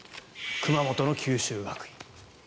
熊本の九州学院。